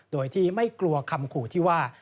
โดยที่ไม่กลัวคำขู่ที่ว่า